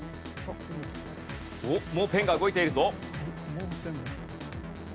もうペンが動いているぞ。